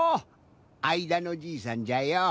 あいだのじいさんじゃよ。